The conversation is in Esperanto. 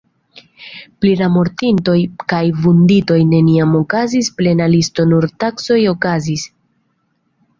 Pri la mortintoj kaj vunditoj neniam okazis plena listo nur taksoj okazis.